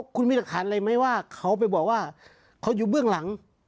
คุณมีหลักฐานอะไรไหมว่าเขาไปบอกว่าเขาอยู่เบื้องหลัง